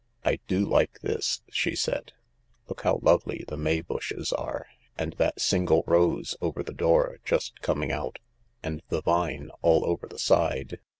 " I do like this," she said ;" look how lovely the May bushes are, and that single rose over the door just coming out, and the vine all over the side